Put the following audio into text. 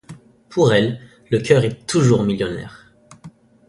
Pour elles, le cœur est toujours millionnaire !